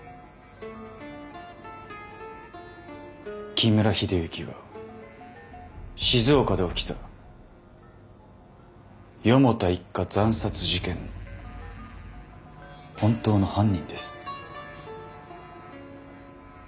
木村英之は静岡で起きた四方田一家惨殺事件の本当の犯人です。